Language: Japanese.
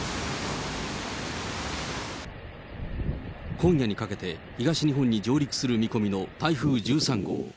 今夜にかけて、東日本に上陸する見込みの台風１３号。